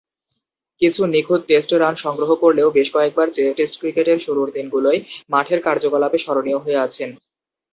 কিছু নিখুঁত test run সংগ্রহ করলেও বেশ কয়েকবার টেস্ট ক্রিকেটের শুরুর দিনগুলোয় মাঠের কার্যকলাপে স্মরণীয় হয়ে আছেন।